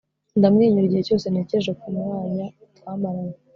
ndamwenyura igihe cyose ntekereje kumwanya twamaranye